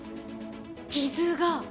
傷が。